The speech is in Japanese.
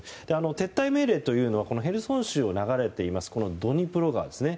撤退命令というのはヘルソン州を流れているドニプロ川ですね。